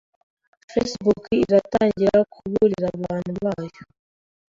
Facebook iratangira kuburira abantu bayo